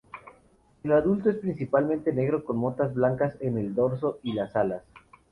El adulto es principalmente negro con motas blancas en el dorso y las alas.